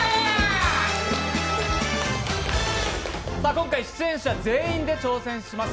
今回出演者全員で挑戦します。